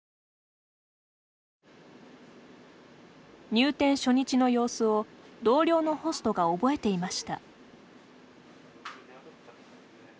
入店初日の様子を同僚のホストが覚えていました。